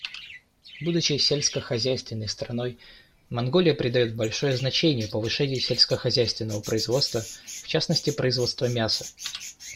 Будучи сельскохозяйственной страной, Монголия придает большое значение повышению сельскохозяйственного производства, в частности производства мяса.